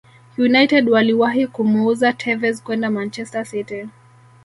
United waliwahi kumuuza Tevez kwenda manchester City